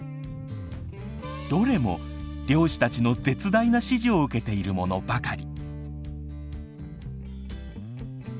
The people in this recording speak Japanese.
どれも漁師たちの絶大な支持を受けているものばかり。